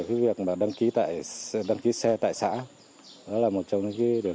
thì biển số là có trong ngày luôn